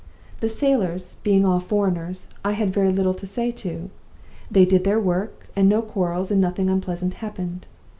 The sailors, being all foreigners, I had very little to say to. They did their work, and no quarrels and nothing unpleasant happened.